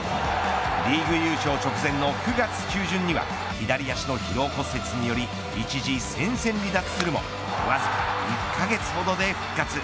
リーグ優勝直前の９月中旬には左足の疲労骨折により一時戦線離脱するもわずか１カ月ほどで復活。